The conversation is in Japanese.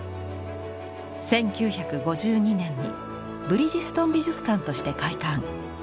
１９５２年にブリヂストン美術館として開館。